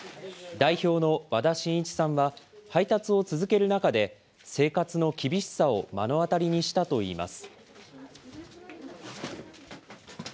代表の和田信一さんは、配達を続ける中で、生活の厳しさを目の当たりにしたといいます。